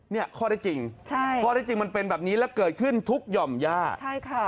เนี่ยข้อได้จริงใช่ข้อได้จริงมันเป็นแบบนี้และเกิดขึ้นทุกหย่อมย่าใช่ค่ะ